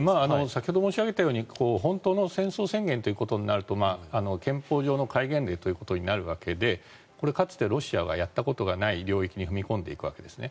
先ほど申し上げたように本当の戦争宣言ということになると憲法上の戒厳令ということになるわけでこれ、かつてロシアはやったことがない領域に踏み込んでいくわけですね。